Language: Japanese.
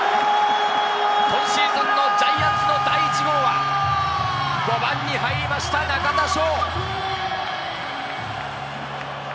今シーズンのジャイアンツの第１号は５番に入りました中田翔。